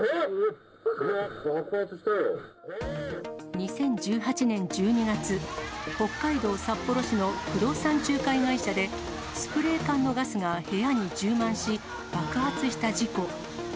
２０１８年１２月、北海道札幌市の不動産仲介会社で、スプレー缶のガスが部屋に充満し、爆発した事故。